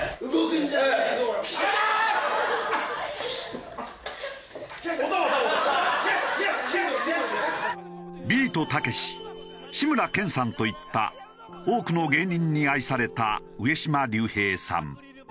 ビートたけし志村けんさんといった多くの芸人に愛された上島竜兵さん。